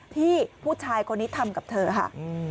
ที่ผู้ชายคนนี้ทำกับเธอค่ะ